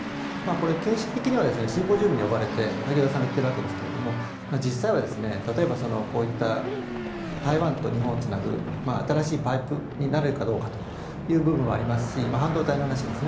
形式的にはシンポジウムに呼ばれて萩生田さんが行っているわけですが実際は例えばこういった台湾と日本をつなぐ新しいパイプになれるかどうかという部分はありますし半導体の話ですね。